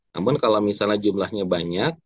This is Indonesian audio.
namun kalau misalnya jumlahnya banyak